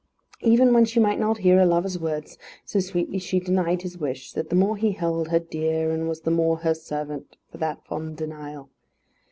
Even when she might not hear a lover's words, so sweetly she denied his wish that the more he held her dear and was the more her servant for that fond denial.